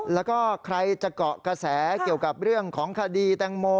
แล้วก็ใครจะเกาะกระแสเกี่ยวกับเรื่องของคดีแตงโม